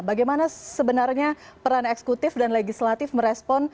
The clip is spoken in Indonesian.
bagaimana sebenarnya peran eksekutif dan legislatif merespon